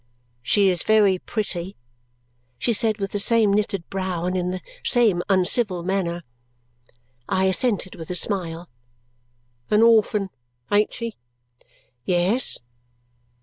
"She is very pretty!" she said with the same knitted brow and in the same uncivil manner. I assented with a smile. "An orphan. Ain't she?" "Yes."